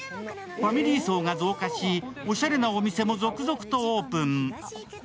ファミリー層が増加し、おしゃれなお店も続々とオープン。